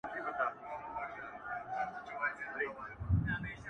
خوارسومه انجام مي د زړه ور مـات كړ.